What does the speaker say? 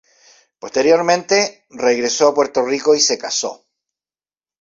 Posteriormente regresó a Puerto Rico y se casó.